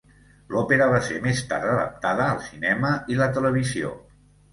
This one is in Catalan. L'òpera va ser més tard adaptada al cinema i la televisió.